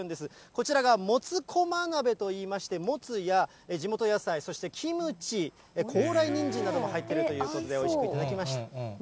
こちらが、もつ高麗鍋といいまして、もつや、地元野菜、そしてキムチ、高麗人参なども入ってるということで、おいしく頂きます。